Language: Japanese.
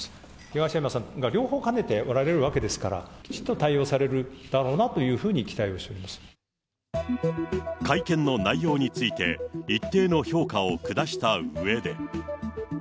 東山さんが両方兼ねておられるわけですから、きちっと対応されるだろうなというふうに期待をして会見の内容について、一定の評価を下したうえで。